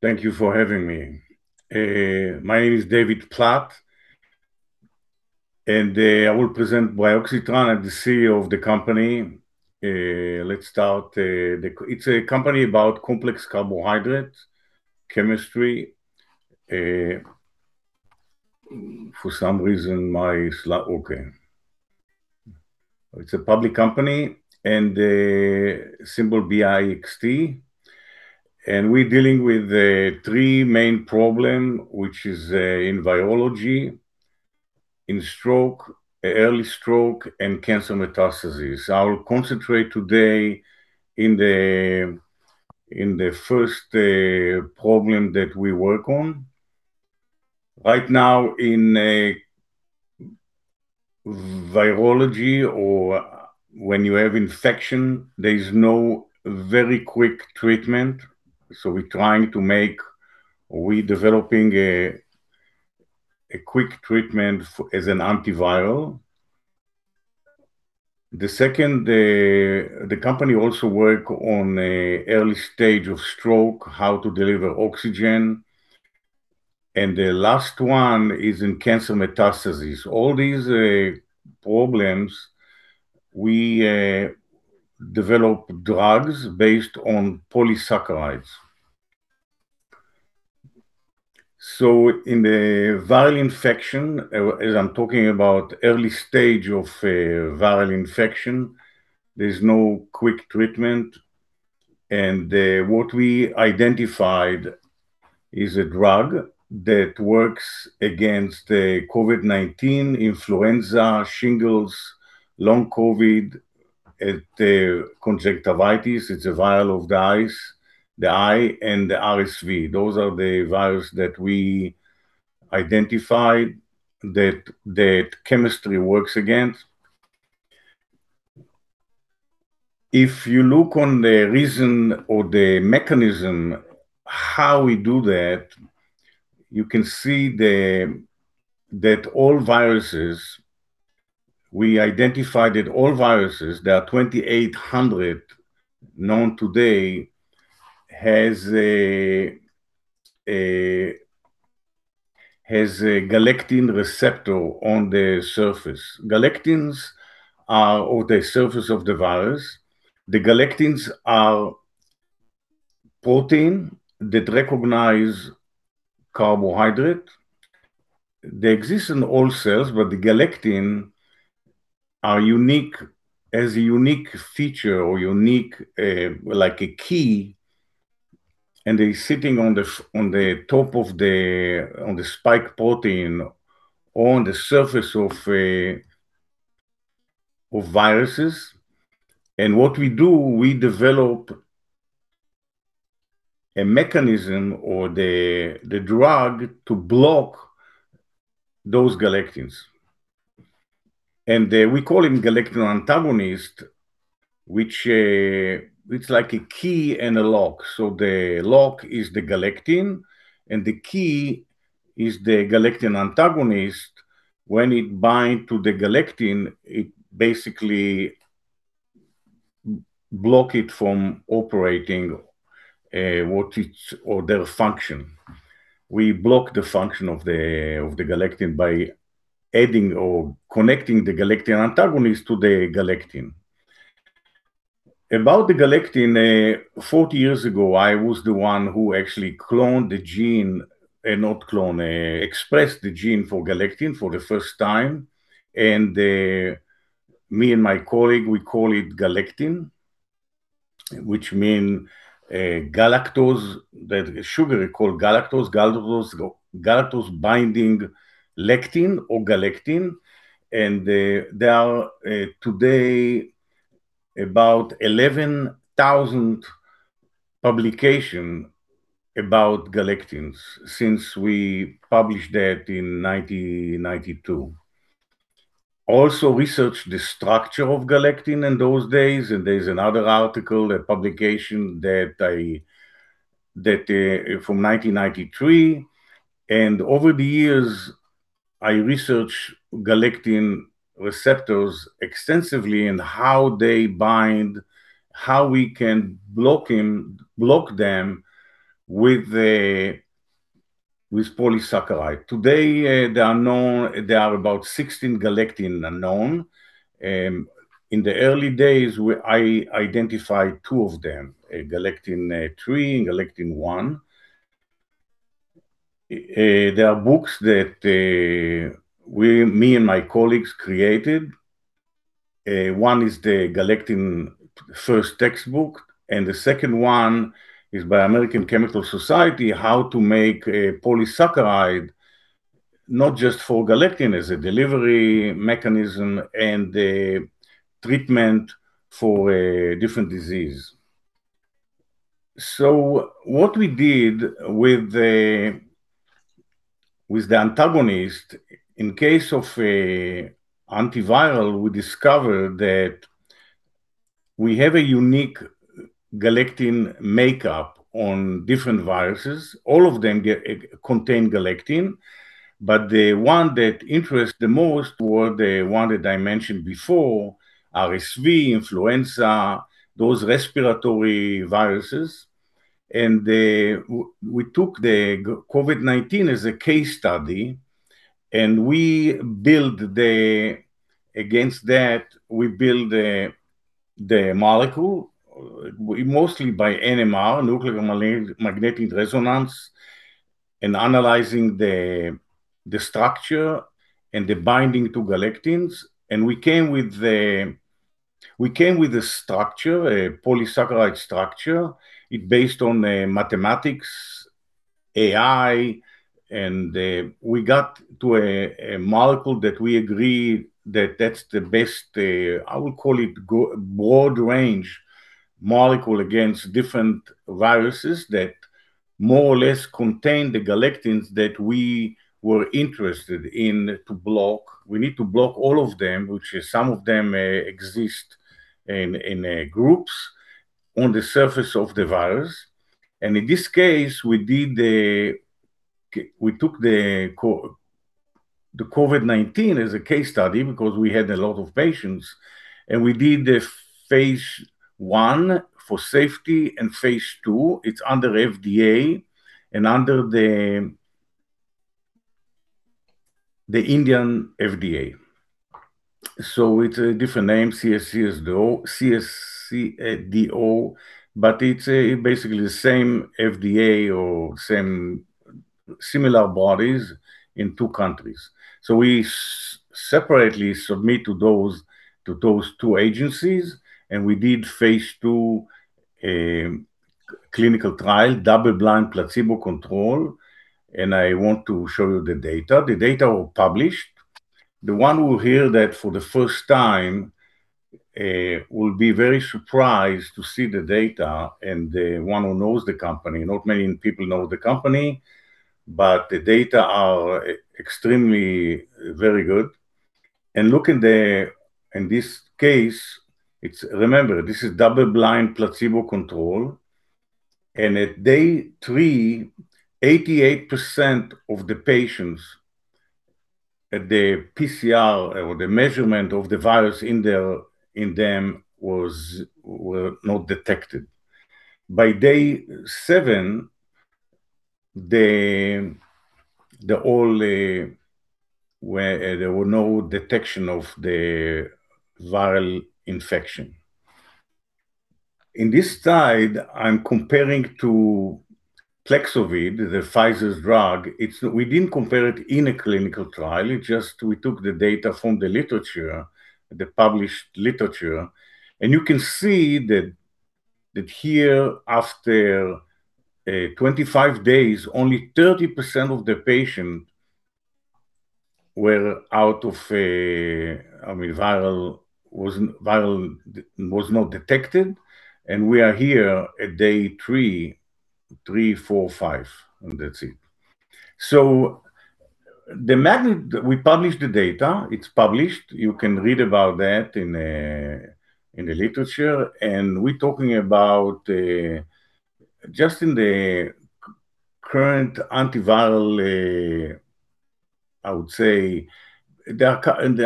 Thank you for having me. My name is David Platt, and I will present Bioxytran. I'm the CEO of the company. Let's start. It's a company about complex carbohydrates, chemistry. For some reason, my slide... Okay. It's a public company, and symbol BIXT. And we're dealing with three main problem, which is in virology, in stroke, early stroke, and cancer metastasis. I will concentrate today in the first problem that we work on. Right now, in virology or when you have infection, there is no very quick treatment, so we're trying to make. We're developing a quick treatment for as an antiviral. The second, the company also work on a early stage of stroke, how to deliver oxygen. And the last one is in cancer metastasis. All these problems, we develop drugs based on polysaccharides. So in the viral infection, as I'm talking about early stage of a viral infection, there's no quick treatment, and what we identified is a drug that works against COVID-19, influenza, shingles, long COVID, conjunctivitis, it's a viral of the eyes, the eye, and the RSV. Those are the virus that we identified that chemistry works against. If you look on the reason or the mechanism, how we do that, you can see that all viruses, we identified that all viruses, there are 2,800 known today, has a galectin receptor on the surface. Galectins are on the surface of the virus. The galectins are protein that recognize carbohydrate. They exist in all cells, but the Galectins are unique, has a unique feature or unique like a key, and they're sitting on the on the top of the, on the spike protein, on the surface of of viruses. And what we do, we develop a mechanism or the, the drug to block those Galectins. And we call him Galectin antagonist, which it's like a key and a lock. So the lock is the Galectin, and the key is the Galectin antagonist. When it bind to the Galectin, it basically block it from operating what it or their function. We block the function of the, of the Galectin by adding or connecting the Galectin antagonist to the Galectin. About the galectin, 40 years ago, I was the one who actually cloned the gene, not clone, expressed the gene for galectin for the first time. And, me and my colleague, we call it galectin, which mean, galactose, the sugar called galactose, galactose, galactose binding lectin or galectin. And, there are, today about 11,000 publications about galectins since we published that in 1992. Also, researched the structure of galectin in those days, and there's another article, a publication, that I that, from 1993. And over the years, I research galectin receptors extensively and how they bind, how we can block him block them with, with polysaccharide. Today, there are known, there are about 16 galectins are known. In the early days, we, I identified two of them, Galectin-3 and Galectin-1. There are books that, we, me and my colleagues created. One is the galectin first textbook, and the second one is by American Chemical Society, how to make a polysaccharide, not just for galectin, as a delivery mechanism and a treatment for a different disease. So what we did with the antagonist, in case of a antiviral, we discovered that we have a unique galectin makeup on different viruses. All of them contain galectin, but the one that interests the most were the one that I mentioned before, RSV, influenza, those respiratory viruses, and we took the COVID-19 as a case study, and we build the, against that, we build the molecule, mostly by NMR, nuclear magnetic resonance, and analyzing the structure and the binding to galectins. We came with a structure, a polysaccharide structure. It based on the mathematics, AI, and, we got to a, a molecule that we agreed that that's the best, I would call it, broad range molecule against different viruses, that more or less contain the galectins that we were interested in to block. We need to block all of them, which is some of them, exist in, groups on the surface of the virus. In this case, we took the COVID-19 as a case study because we had a lot of patients, and we did the phase I for safety and phase II. It's under FDA and under the Indian FDA. So it's a different name, CDSCO, but it's, basically the same FDA or same similar bodies in two countries. So we separately submit to those, to those two agencies, and we did phase II, a clinical trial, double-blind placebo control. And I want to show you the data. The data were published. The one who hear that for the first time will be very surprised to see the data, and the one who knows the company. Not many people know the company, but the data are extremely, very good. And look, in this case, it's remember, this is double-blind placebo control, and at day three, 88% of the patients at the PCR or the measurement of the virus in their, in them, were not detected. By day seven, the only where there were no detection of the viral infection. In this slide, I'm comparing to Paxlovid, the Pfizer's drug. It's we didn't compare it in a clinical trial, it's just we took the data from the literature, the published literature, and you can see that here, after 25 days, only 30 percent of the patient were out of a, I mean, viral, was, viral was not detected, and we are here at day three, four, five, and that's it. So the magnitude we published the data. It's published. You can read about that in the literature. And we're talking about just in the current antiviral, I would say, there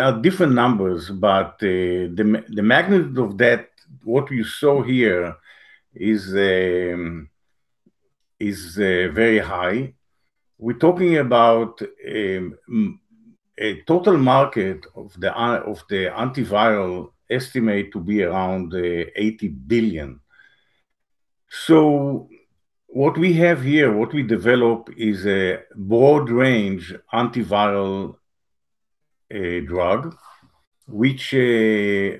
are different numbers, but the magnitude of that, what you saw here is very high. We're talking about a total market of the antiviral estimate to be around $80 billion. So what we have here, what we develop, is a broad-range antiviral drug, which one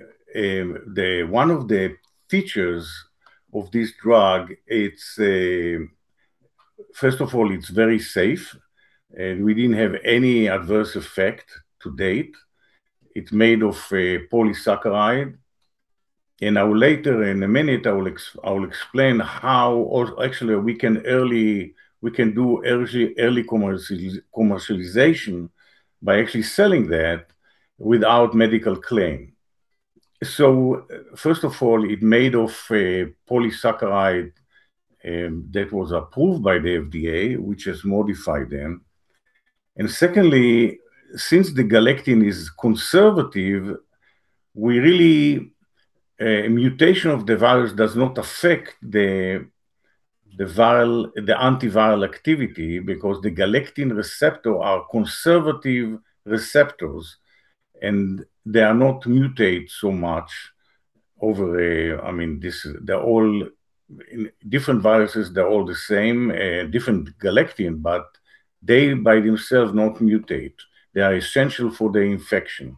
of the features of this drug, it's... First of all, it's very safe, and we didn't have any adverse effect to date. It's made of a polysaccharide, and I will later, in a minute, I will explain how or actually we can do early, early commercialization by actually selling that without medical claim. So first of all, it made of a polysaccharide that was approved by the FDA, which has modified them. And secondly, since the galectin is conservative, we really mutation of the virus does not affect the viral antiviral activity, because the galectin receptor are conservative receptors, and they are not mutate so much over, I mean, this, they're all... Different viruses, they're all the same, different galectin, but they by themselves not mutate. They are essential for the infection.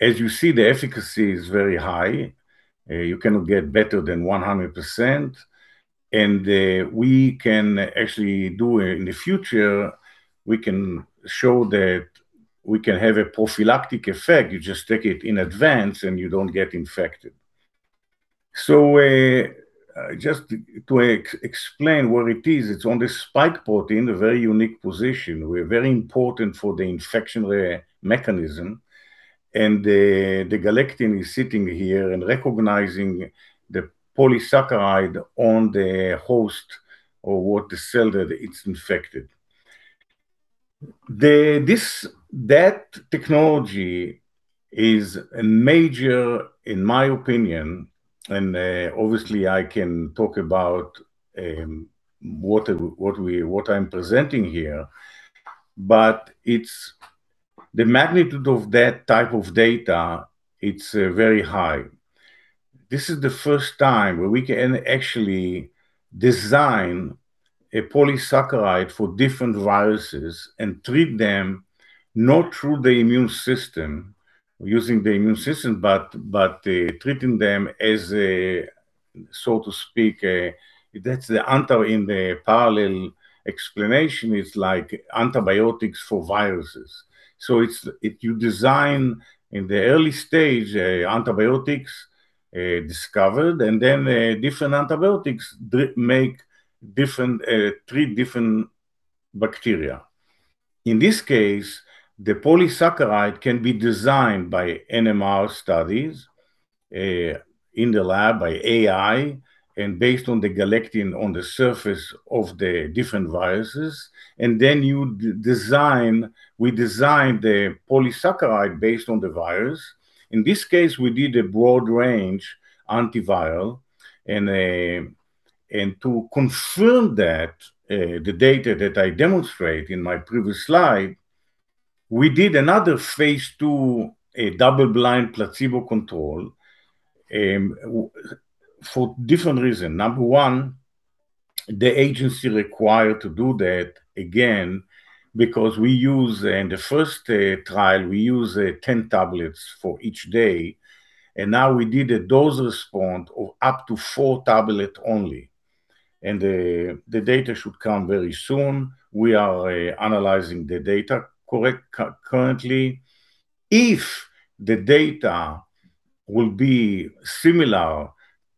As you see, the efficacy is very high. You cannot get better than 100%, and, we can actually do in the future, we can show that we can have a prophylactic effect. You just take it in advance, and you don't get infected. So, just to, explain what it is, it's on the spike protein, a very unique position, where very important for the infection mechanism. And the galectin is sitting here and recognizing the polysaccharide on the host or what the cell that it's infected.... This technology is a major, in my opinion, and obviously, I can talk about what I'm presenting here, but it's the magnitude of that type of data, it's very high. This is the first time where we can actually design a polysaccharide for different viruses and treat them, not through the immune system, using the immune system, but treating them as a, so to speak, that's the anti in the parallel explanation, it's like antibiotics for viruses. So it's if you design in the early stage, antibiotics discovered, and then different antibiotics make different treat different bacteria. In this case, the polysaccharide can be designed by NMR studies in the lab, by AI, and based on the galectin on the surface of the different viruses, and then we design the polysaccharide based on the virus. In this case, we did a broad-range antiviral, and to confirm that, the data that I demonstrate in my previous slide, we did another phase II, a double blind placebo control, for different reason. Number one, the agency required to do that again, because we use, in the first trial, we use 10 tablets for each day, and now we did a dose response of up to four tablet only, and the data should come very soon. We are analyzing the data currently. If the data will be similar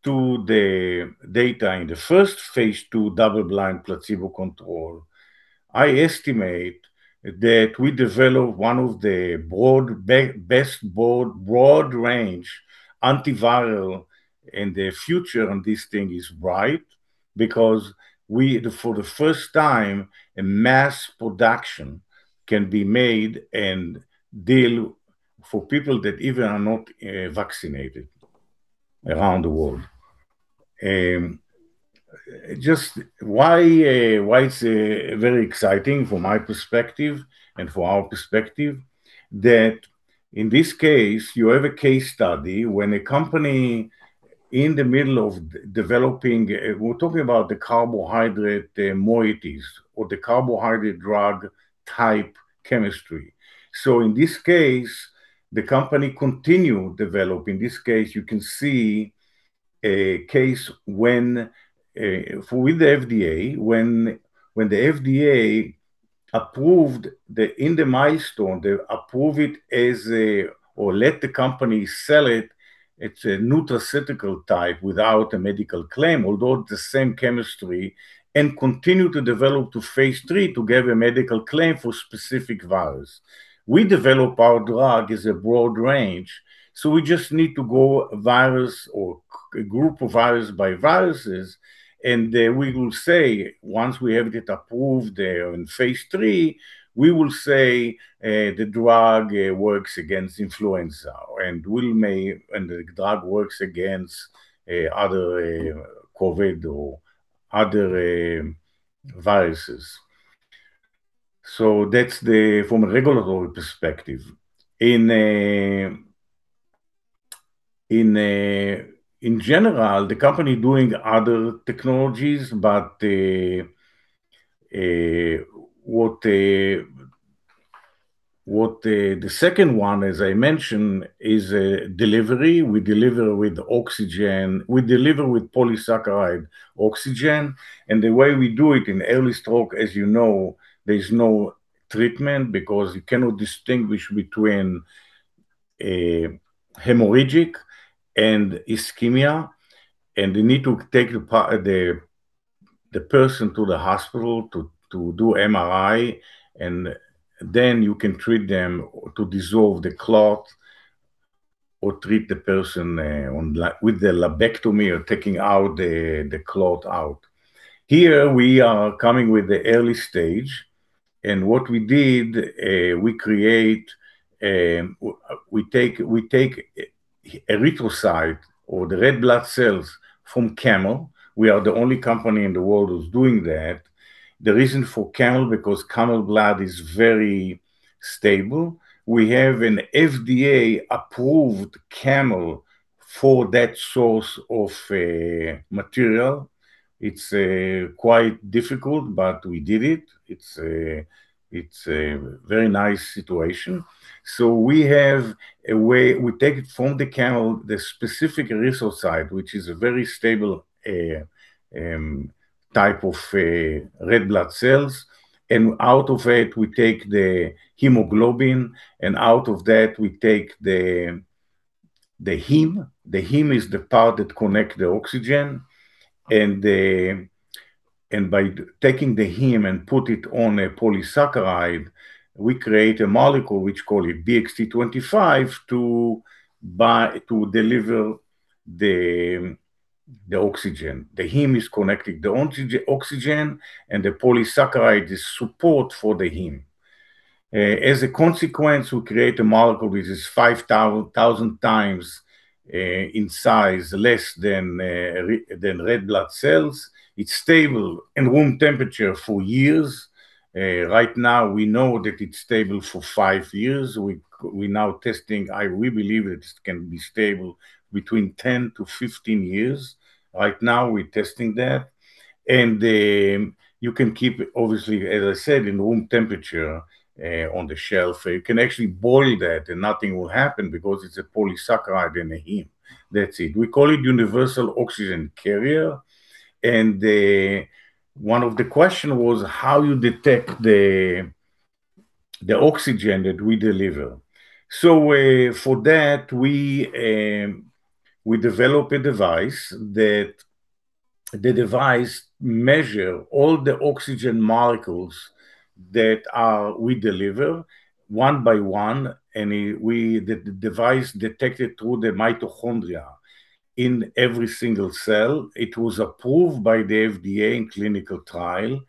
to the data in the first phase II double-blind placebo control, I estimate that we develop one of the best broad-range antiviral, and the future on this thing is bright, because we, for the first time, a mass production can be made and deal for people that even are not vaccinated around the world. Just why, why it's very exciting from my perspective and from our perspective, that in this case, you have a case study when a company in the middle of developing. We're talking about the carbohydrate, the moieties, or the carbohydrate drug type chemistry. So in this case, the company continued developing. This case, you can see a case when with the FDA, when the FDA approved the, in the milestone, they approve it as a, or let the company sell it, it's a nutraceutical type without a medical claim, although the same chemistry, and continue to develop to phase III to give a medical claim for specific virus. We develop our drug as a broad range, so we just need to go virus or group of virus by viruses, and then we will say, once we have it approved in phase III, we will say, "The drug works against influenza, and we may-- and the drug works against other COVID or other viruses." So that's the from a regulatory perspective. In general, the company doing other technologies, but what the second one, as I mentioned, is delivery. We deliver with polysaccharide oxygen, and the way we do it in early stroke, as you know, there's no treatment because you cannot distinguish between hemorrhagic and ischemia, and you need to take the person to the hospital to do MRI, and then you can treat them to dissolve the clot or treat the person with the thrombectomy or taking out the clot. Here, we are coming with the early stage, and what we did, we take erythrocyte or the red blood cells from camel. We are the only company in the world who's doing that. The reason for camel, because camel blood is very stable. We have an FDA-approved camel for that source of material. It's quite difficult, but we did it. It's a, it's a very nice situation. So we have a way, we take it from the camel, the specific erythrocyte, which is a very stable type of red blood cells, and out of it, we take the hemoglobin, and out of that, we take the heme. The heme is the part that connect the oxygen, and by taking the heme and put it on a polysaccharide, we create a molecule, which call it BXT-25, to deliver the oxygen. The heme is connecting the oxygen, oxygen, and the polysaccharide is support for the heme. As a consequence, we create a molecule which is 5,000 times in size less than red blood cells. It's stable in room temperature for years. Right now, we know that it's stable for 5 years. We're now testing. We believe it can be stable between 10 to 15 years. Right now, we're testing that, and you can keep it, obviously, as I said, in room temperature on the shelf. You can actually boil that, and nothing will happen because it's a polysaccharide and a heme. That's it. We call it universal oxygen carrier, and one of the question was how you detect the oxygen that we deliver. So, for that, we develop a device, that the device measure all the oxygen molecules that we deliver one by one, and we, the device detect it through the mitochondria in every single cell. It was approved by the FDA in clinical trial, and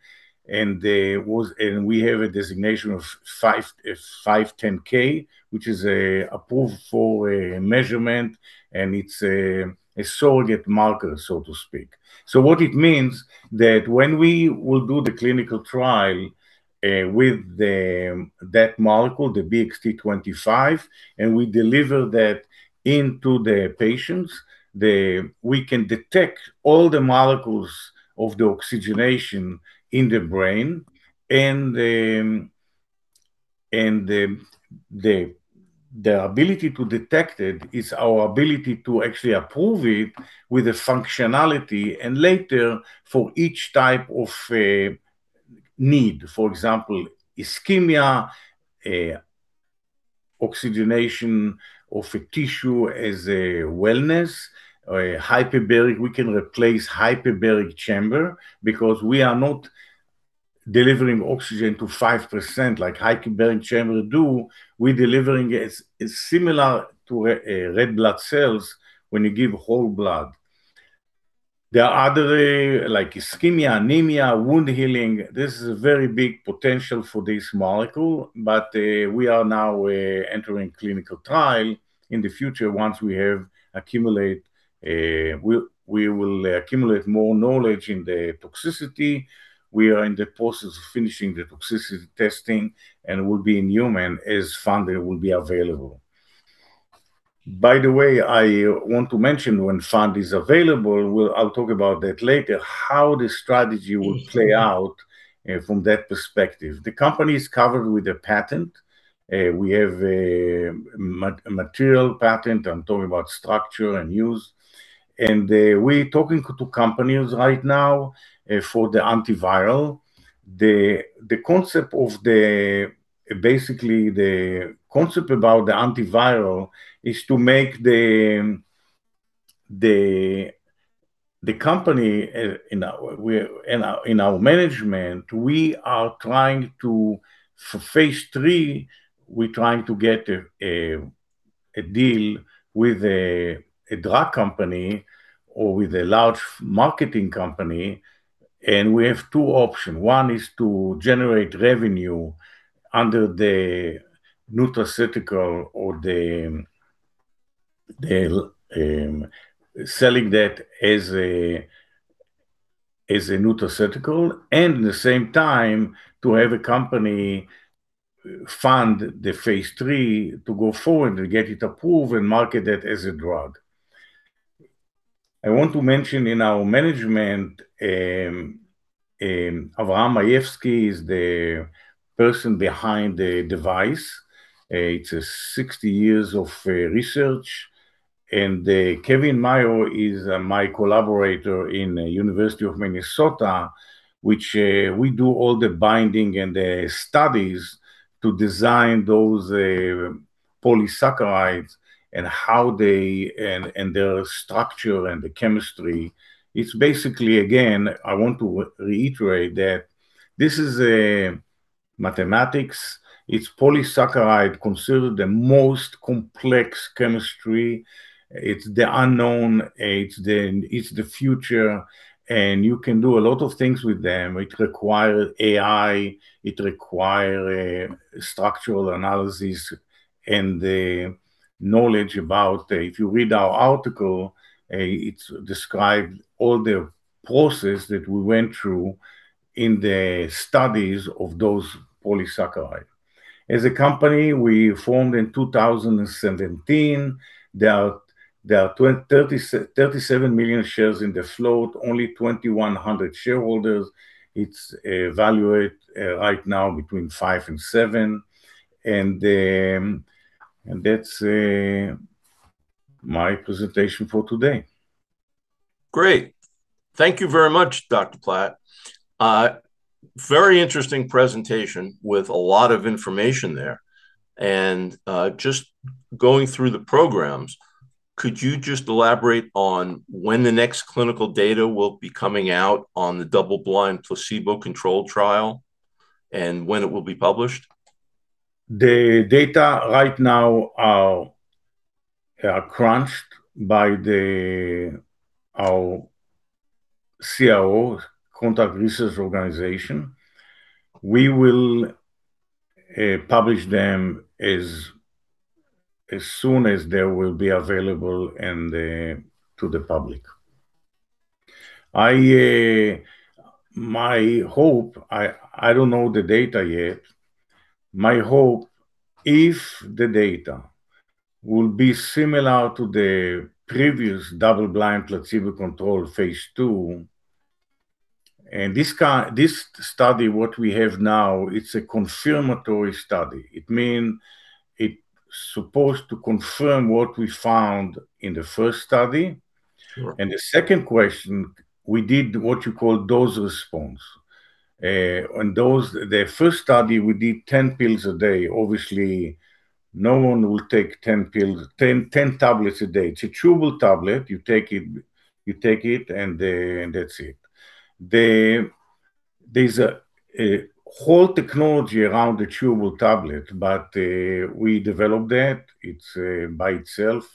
it was, and we have a designation of 510(k), which is approved for a measurement, and it's a surrogate marker, so to speak. So what it means, that when we will do the clinical trial, with that molecule, the BXT-25, and we deliver that into the patients, we can detect all the molecules of the oxygenation in the brain, and the ability to detect it is our ability to actually approve it with the functionality, and later, for each type of need. For example, ischemia, oxygenation of a tissue as a wellness or a hyperbaric. We can replace hyperbaric chamber, because we are not delivering oxygen to 5% like hyperbaric chamber do. We're delivering it similar to, red blood cells when you give whole blood. There are other, like, ischemia, anemia, wound healing. This is a very big potential for this molecule, but, we are now, entering clinical trial. In the future, once we have accumulate, we will accumulate more knowledge in the toxicity. We are in the process of finishing the toxicity testing, and will be in human as funding will be available. By the way, I want to mention when fund is available, we'll, I'll talk about that later, how the strategy will play out, from that perspective. The company is covered with a patent. We have a material patent. I'm talking about structure and use, and we talking to companies right now for the antiviral. Basically, the concept about the antiviral is to make the company in our management we are trying to for phase III we're trying to get a deal with a drug company or with a large marketing company, and we have two options. One is to generate revenue under the nutraceutical or selling that as a nutraceutical, and the same time, to have a company fund the phase III to go forward and get it approved and market it as a drug. I want to mention in our management, Avraham Mayevsky is the person behind the device. It's 60 years of research, and Kevin Mayo is my collaborator in University of Minnesota, which we do all the binding and the studies to design those polysaccharides and how they and their structure and the chemistry. It's basically, again, I want to reiterate, that this is a mathematics. It's polysaccharide, considered the most complex chemistry. It's the unknown, it's the future, and you can do a lot of things with them. It require AI, it require a structural analysis and the knowledge about the If you read our article, it describes all the process that we went through in the studies of those polysaccharide. As a company, we formed in 2017. There are 37 million shares in the float, only 2,100 shareholders. It's evaluate right now between 5 and 7, and that's my presentation for today. Great. Thank you very much, Dr. Platt. Very interesting presentation with a lot of information there. Just going through the programs, could you just elaborate on when the next clinical data will be coming out on the double blind, placebo-controlled trial, and when it will be published? ... The data right now are crunched by our CRO, Contract Research Organization. We will publish them as soon as they will be available to the public. My hope, I don't know the data yet. My hope, if the data will be similar to the previous double-blind placebo-controlled phase II, and this study, what we have now, it's a confirmatory study. It mean, it's supposed to confirm what we found in the first study. Sure. The second question, we did what you call dose response. On dose, the first study, we did 10 pills a day. Obviously, no one will take 10 pills, 10, 10 tablets a day. It's a chewable tablet. You take it, you take it, and that's it. There's a whole technology around the chewable tablet, but we developed that. It's by itself.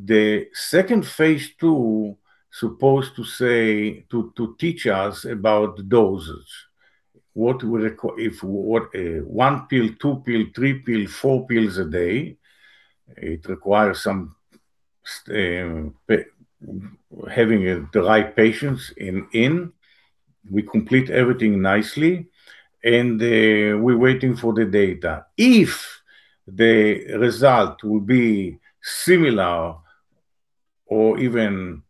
The second phase II supposed to teach us about doses. What will it require if what one pill, two pill, three pill, four pills a day, it requires some patience having the right patients in. We complete everything nicely, and we're waiting for the data. If the result will be similar or even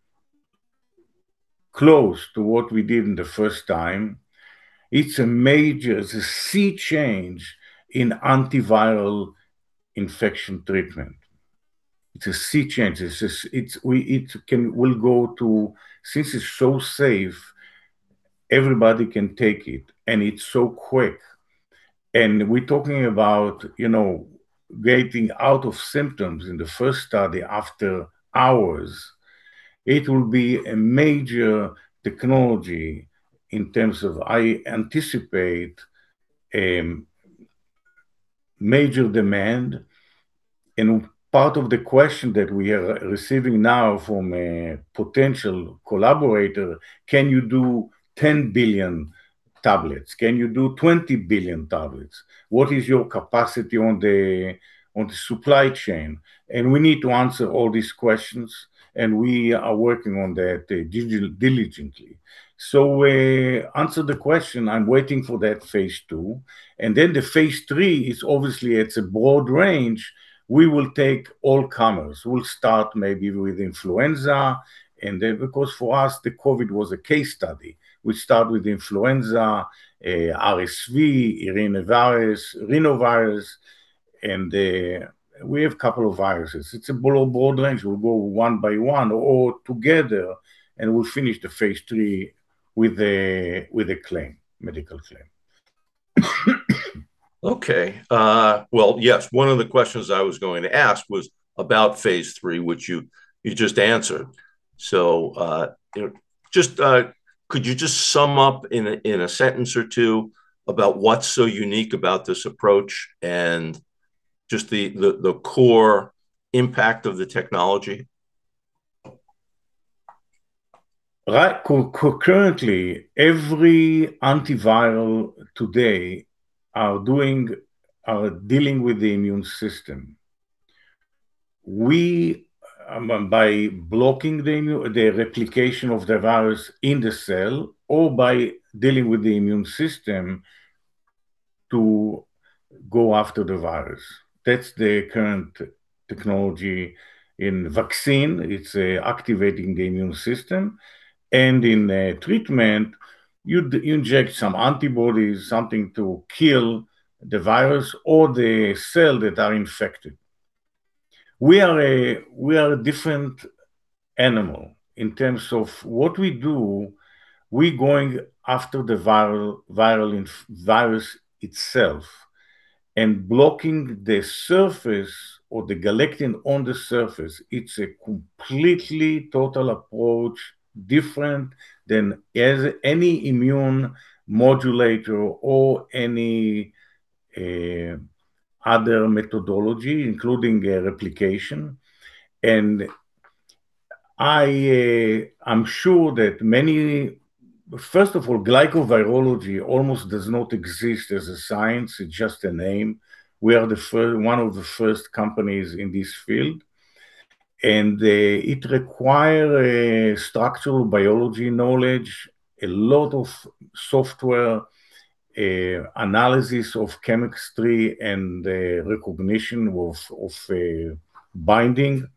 close to what we did in the first time, it's a sea change in antiviral infection treatment. It's a sea change. It will go to... Since it's so safe, everybody can take it, and it's so quick. And we're talking about, you know, getting out of symptoms in the first study after hours. It will be a major technology in terms of, I anticipate, major demand. And part of the question that we are receiving now from a potential collaborator: Can you do 10 billion tablets? Can you do 20 billion tablets? What is your capacity on the supply chain? And we need to answer all these questions, and we are working on that, diligently. So, answer the question, I'm waiting for that phase II, and then the phase III is obviously, it's a broad range. We will take all comers. We'll start maybe with influenza, and then, because for us, the COVID was a case study. We start with influenza, RSV, rhinovirus, rhinovirus, and, we have a couple of viruses. It's a broad, broad range. We'll go one by one or all together, and we'll finish the phase III with a, with a claim, medical claim. Okay. Well, yes, one of the questions I was going to ask was about phase III, which you just answered. So, just, could you just sum up in a sentence or two about what's so unique about this approach and just the core impact of the technology? Right. Concurrently, every antiviral today are doing, are dealing with the immune system. We, by blocking the immune, the replication of the virus in the cell, or by dealing with the immune system to go after the virus, that's the current technology. In vaccine, it's, activating the immune system, and in a treatment, you'd inject some antibodies, something to kill the virus or the cell that are infected. We are a, we are a different animal in terms of what we do, we're going after the viral, viral inf- virus itself and blocking the surface or the Galectin on the surface. It's a completely total approach, different than as any immune modulator or any, other methodology, including a replication. And I, I'm sure that many-- first of all, Glycovirology almost does not exist as a science. It's just a name. We are the first one of the first companies in this field, and it require a structural biology knowledge, a lot of software, analysis of chemistry, and recognition of binding,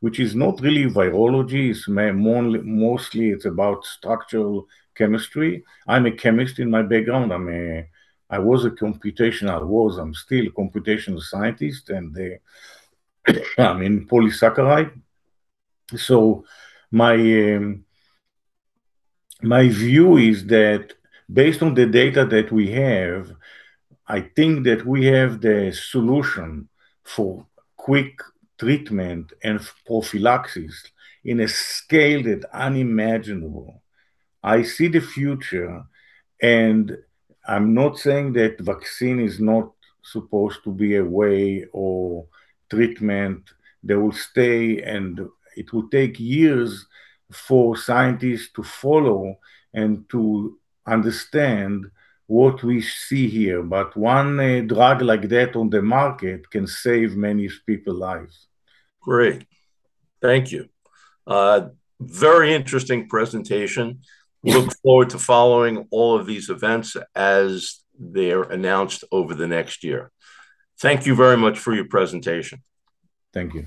which is not really virology. It's more, mostly it's about structural chemistry. I'm a chemist in my background. I was a computational, I'm still a computational scientist, and I'm in polysaccharide. So my view is that based on the data that we have, I think that we have the solution for quick treatment and prophylaxis in a scale that unimaginable. I see the future, and I'm not saying that vaccine is not supposed to be a way or treatment. They will stay, and it will take years for scientists to follow and to understand what we see here, but one drug like that on the market can save many people lives. Great. Thank you. Very interesting presentation. Yeah. Look forward to following all of these events as they're announced over the next year. Thank you very much for your presentation. Thank you.